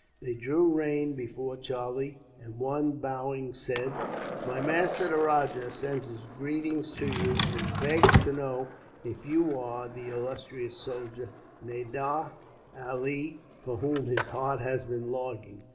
They drew rein before Charlie; and one, bowing, said: "My master, the rajah, sends his greeting to you, and begs to know if you are the illustrious soldier, Nadir Ali, for whom his heart has been longing."